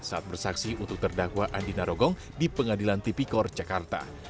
saat bersaksi untuk terdakwa andi narogong di pengadilan tipikor jakarta